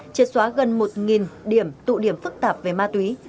triệt xóa gần một điểm tụ điểm phức tạp về ma túy